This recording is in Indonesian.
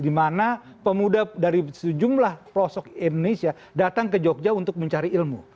di mana pemuda dari sejumlah prosok indonesia datang ke jogja untuk mencari ilmu